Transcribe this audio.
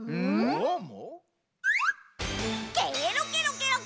どーも？